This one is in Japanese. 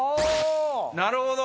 なるほど。